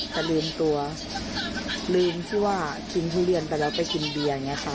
แต่ลืมตัวลืมที่ว่ากินทุเรียนไปแล้วไปกินเบียร์อย่างนี้ค่ะ